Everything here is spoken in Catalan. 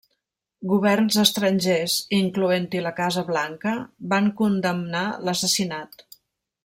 Governs Estrangers, incloent-hi la Casa Blanca, van condemnar l'assassinat.